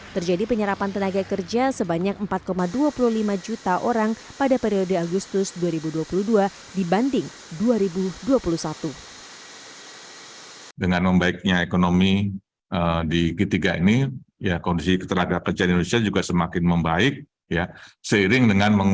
terjadi penyerapan tenaga kerja sebanyak empat dua puluh lima juta orang pada periode agustus dua ribu dua puluh dua dibanding dua ribu dua puluh satu